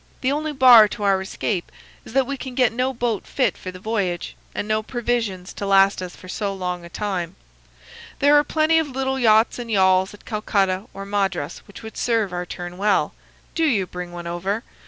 The only bar to our escape is that we can get no boat fit for the voyage, and no provisions to last us for so long a time. There are plenty of little yachts and yawls at Calcutta or Madras which would serve our turn well. Do you bring one over.